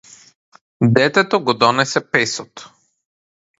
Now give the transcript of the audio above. Дедото го донесе песот.